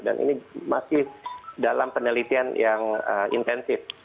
dan ini masih dalam penelitian yang intensif